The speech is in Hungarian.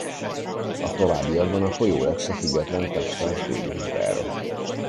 A továbbiakban a folyó lett a független Texas déli határa.